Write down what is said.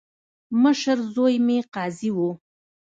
مشر زوی مې قاضي وو.